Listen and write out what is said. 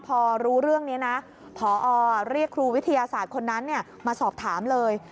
พอรู้เรื่องนี้นะพอเรียกครูวิทยาศาสตร์คนนั้นมาสอบถามเลย